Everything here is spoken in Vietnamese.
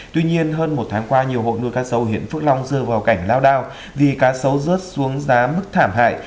tuy nhiên hơn một tháng qua nhiều hộ nuôi cá sấu huyện phước long rơi vào cảnh lao đao vì cá sấu rớt xuống giá mức thảm hại